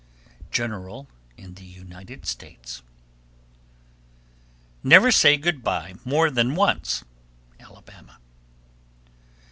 General in the United States. 1305. Never say "good by" more than once. _Alabama.